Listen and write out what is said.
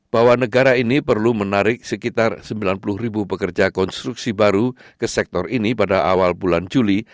bahwa negara ini perlu menarik sekitar sembilan puluh ribu pekerja konstruksi baru ke sektor ini pada awal bulan juli